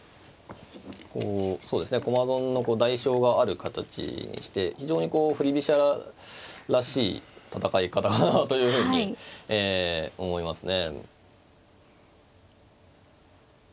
こうそうですね駒損の代償がある形にして非常に振り飛車らしい戦い方だなというふうに思いますね。